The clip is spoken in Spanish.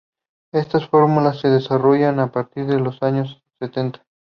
Estas fórmulas se desarrollaron a partir de los años setenta.